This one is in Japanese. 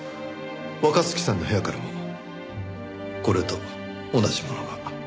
若月さんの部屋からもこれと同じものが。